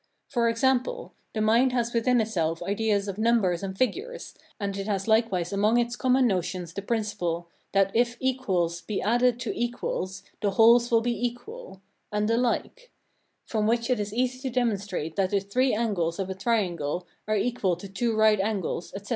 For example, the mind has within itself ideas of numbers and figures, and it has likewise among its common notions the principle THAT IF EQUALS BE ADDED TO EQUALS THE WHOLES WILL BE EQUAL and the like; from which it is easy to demonstrate that the three angles of a triangle are equal to two right angles, etc.